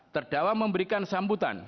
terdakwa memberikan sambutan